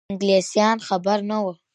انګلیسیان خبر نه وه.